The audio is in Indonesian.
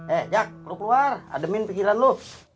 eh jak lo keluar ademin pikiran lo